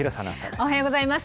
おはようございます。